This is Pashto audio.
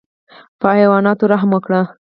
په حیواناتو رحم وکړئ